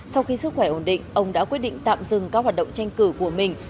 sau khi sức khỏe ổn định ông đã quyết định tạm dừng các hoạt động tranh cử của mình